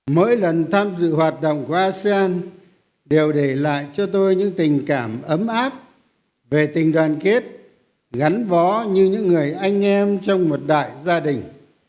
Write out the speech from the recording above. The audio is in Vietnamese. mỗi lần tham dự hoạt động của asean đều để lại cho tôi những tình cảm ấm áp về tình đoàn kết gắn bó như những người anh em trong một đại gia đình